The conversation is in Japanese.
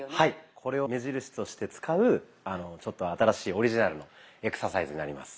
これを目印として使うちょっと新しいオリジナルのエクササイズになります。